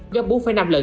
gấp bốn năm lần